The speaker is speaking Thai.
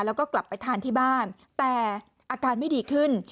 แล้วก็กลับไปทานที่บ้านแต่อาการไม่ดีขึ้น